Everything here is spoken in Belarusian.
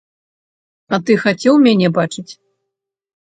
А ты хацеў мяне бачыць?